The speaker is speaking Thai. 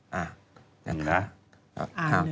จะอ่านเลย